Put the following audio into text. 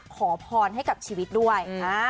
ขอพรให้กับชีวิตด้วย